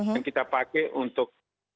yang kita pakai untuk